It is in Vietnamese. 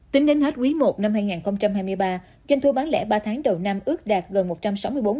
tính đến hết quý i năm hai nghìn hai mươi ba doanh thu bán lẻ ba tháng đầu năm ước đạt gần một trăm linh triệu đồng